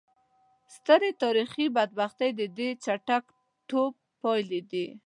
سترې تاریخي بدبختۍ د دې چټک ټوپ پایلې وې.